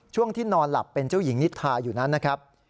ช่วงที่นอนหลับเป็นเจ้าหญิงนิทาอยู่นั้นนะครับ